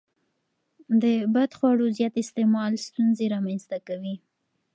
د بدخواړو زیات استعمال ستونزې رامنځته کوي.